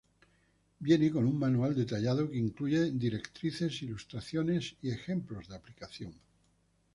Viene con un manual detallado, que incluye directrices, ilustraciones y ejemplos de aplicación.